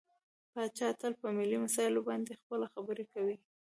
پاچا تل په ملي مسايلو باندې خپله خبرې کوي .